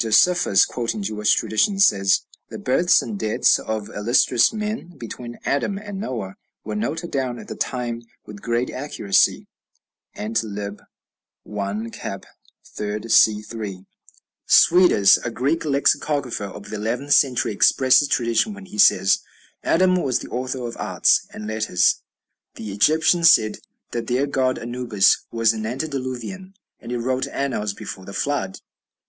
Josephus, quoting Jewish traditions, says, "The births and deaths of illustrious men, between Adam and Noah, were noted down at the time with great accuracy." (Ant., lib. 1, cap. iii., see. 3.) Suidas, a Greek lexicographer of the eleventh century, expresses tradition when he says, "Adam was the author of arts and letters." The Egyptians said that their god Anubis was an antediluvian, and it "wrote annals before the Flood."